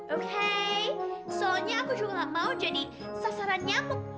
oke soalnya aku juga gak mau jadi sasaran nyamuk